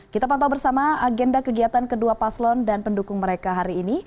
kita pantau bersama agenda kegiatan kedua paslon dan pendukung mereka hari ini